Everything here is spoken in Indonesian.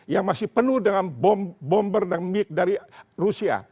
yang masih penuh dengan bomber dan mic dari rusia